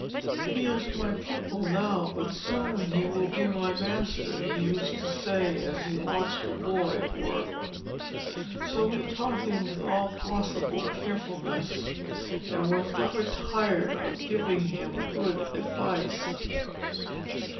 'He is my pupil now, but soon he will be my master,' he used to say as he watched the boy at work. So he taught him with all possible carefulness, and was never tired of giving him good advice.